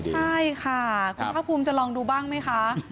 ใช่ค่ะคุณภาคภูมิจะลองดูบ้างไหมคะ